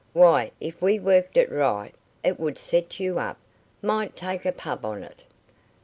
Why, if we worked it right, it would set you up. Might take a pub on it."